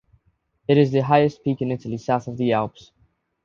It is the highest peak in Italy south of the Alps.